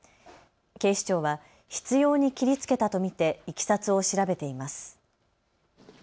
警視庁は執ように切りつけたと見て、いきさつを調べています。